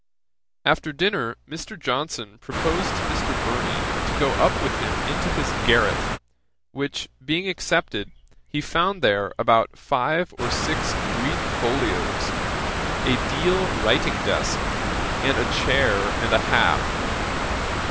After dinner, Mr. Johnson proposed to Mr. Burney to go up with him into his garret, which being accepted, he there found about five or six Greek folios, a deal writing desk, and a chair and a half.